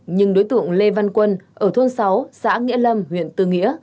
nhưng đối tượng lê văn quân ở thôn sáu xã nghĩa lâm huyện tư nghĩa